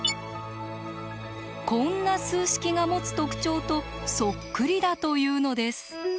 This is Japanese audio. こんな数式が持つ特徴とそっくりだというのです。